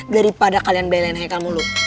daripada kalian belain haikal mulu